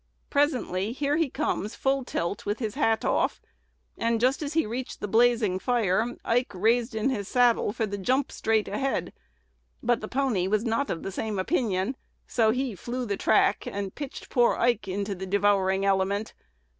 Presently here he come, full tilt, with his hat off; and, just as he reached the blazing fire, Ike raised in his saddle for the jump straight ahead; but pony was not of the same opinion, so he flew the track, and pitched poor Ike into the devouring element.